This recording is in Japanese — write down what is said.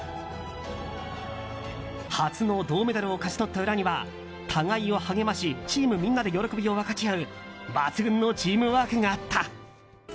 初の銅メダルを勝ち取った裏には互いを励ましチームみんなで喜びを分かち合う抜群のチームワークがあった。